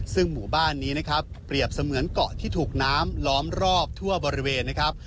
ซึ่งหมู่บ้านนี้นะครับเปรียบเสมือนเกาะที่ถูกน้ำล้อมรอบทั่วบริเวณนะครับ